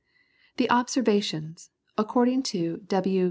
The observations, according to W.